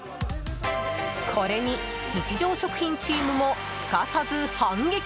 これに、日常食品チームもすかさず反撃。